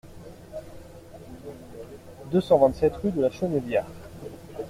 deux cent vingt-sept rue de Chenevière